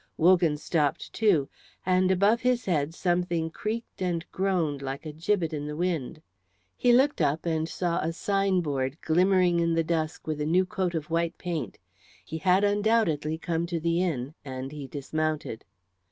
Wogan stopped too, and above his head something creaked and groaned like a gibbet in the wind. He looked up and saw a sign board glimmering in the dusk with a new coat of white paint. He had undoubtedly come to the inn, and he dismounted.